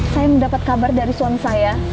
saya mendapat kabar dari suami saya